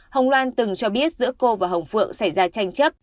hồng loan từng cho biết giữa cô và hồng phượng xảy ra tranh chấp